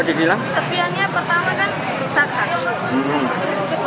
mungkin sedikit lah ada pelajaran sim ya